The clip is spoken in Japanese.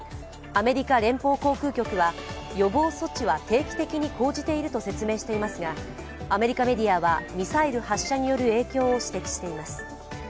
アメリカ連邦航空局は予防措置は定期的に講じていると説明していますがアメリカメディアは、ミサイル発射による影響を指摘しています。